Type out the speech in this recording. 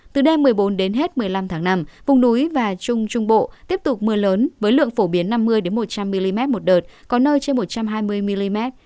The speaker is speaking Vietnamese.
từ đêm một mươi bốn đến hết một mươi năm tháng năm vùng núi và trung trung bộ tiếp tục mưa lớn với lượng phổ biến năm mươi một trăm linh mm một đợt có nơi trên một trăm hai mươi mm